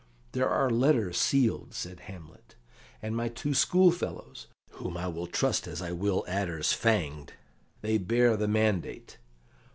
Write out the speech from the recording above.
"There are letters sealed," said Hamlet, "and my two schoolfellows, whom I will trust as I will adders fanged they bear the mandate.